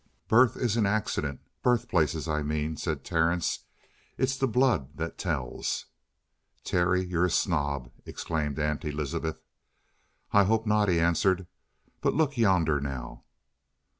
"Birth is an accident birthplaces, I mean," smiled Terence. "It's the blood that tells." "Terry, you're a snob!" exclaimed Aunt Elizabeth. "I hope not," he answered. "But look yonder, now!"